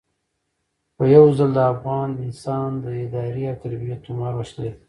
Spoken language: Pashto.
خو یو ځل د افغان انسان د ادارې او تربیې تومار وشلېد.